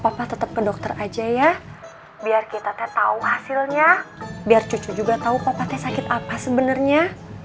papa tetap ke dokter aja ya biar kita tahu hasilnya biar juga tahu papa sakit apa sebenarnya